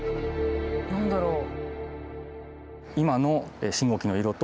何だろう？